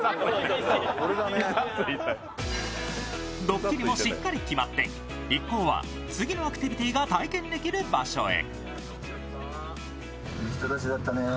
ドッキリもしっかり決まって、一行は次のアクティビティーが体験できる場所へ。